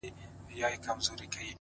سیاه پوسي ده ـ ستا غمِستان دی ـ